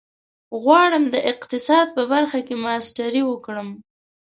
غواړم د اقتصاد په برخه کې ماسټري وکړم.